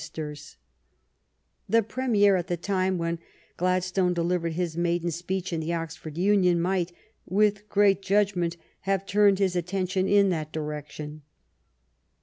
1 8 THE STORY OF GLADSTONE'S LIFE The Premier at the time when Gladstone deliv ered his maiden speech in the Oxford Union might, with great judgment, have turned his attention in that direction.